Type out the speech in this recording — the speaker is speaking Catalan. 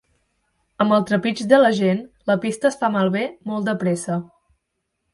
Amb el trepig de la gent, la pista es fa malbé molt de pressa.